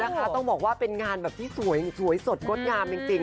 คุณผู้ชมเป็นงานสวยสดมดงามจริง